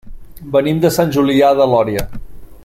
Venim de Sant Julià de Lòria.